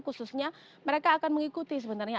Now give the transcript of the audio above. khususnya mereka akan mengikuti sebenarnya